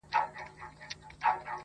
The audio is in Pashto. د سترگو کسي چي دي سره په دې لوگيو نه سي~